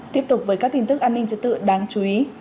tiếp tục với các tin tức an ninh trật tự đáng chú ý